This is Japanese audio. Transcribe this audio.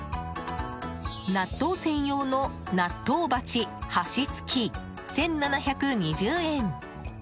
納豆専用の納豆鉢箸付１７２０円。